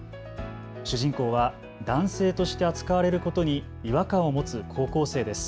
主人公は男性として扱われることに違和感を持つ高校生です。